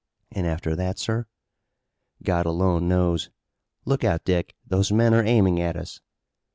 "And after that, sir?" "God alone knows. Look out, Dick, those men are aiming at us!"